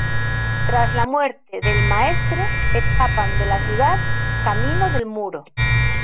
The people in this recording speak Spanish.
Tras la muerte del Maestre, escapan de la ciudad camino del Muro.